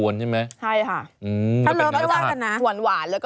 ไซส์ลำไย